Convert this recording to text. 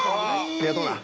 ありがとうな。